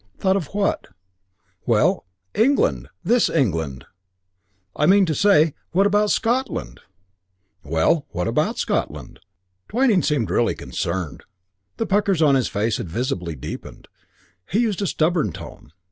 "Thought of what?" "Well 'England' 'this England.' I mean to say What about Scotland?" "Well, what about Scotland?" Twyning seemed really concerned. The puckers on his face had visibly deepened. He used a stubborn tone.